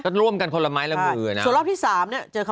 จนร่วมกันคนละใหม่และคนอื่นส่วนรอบที่๓เนี่ย